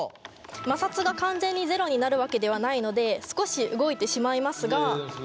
摩擦が完全にゼロになるわけではないので少し動いてしまいますが。